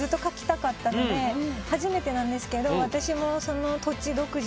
初めてなんですけど私も。